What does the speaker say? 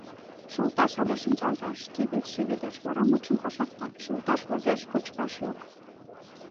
— Шолташ але шинчалташ? — шке дечше йодеш, вара мутшым кошарта: — Шолташ возеш, кочкаш йок...